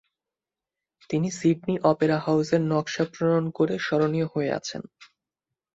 তিনি Sydney Opera হাউসের নকশা প্রণয়ন করে স্মরণীয় হয়ে আছেন।